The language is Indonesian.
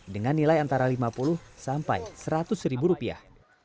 dengan nilai antara lima puluh sampai seratus ribu rupiah